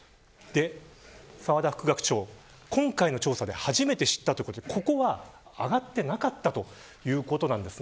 澤田副学長は今回の調査で初めて知ったということでここは上がってなかったということなんですね。